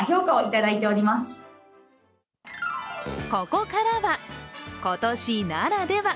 ここからは今年ならでは！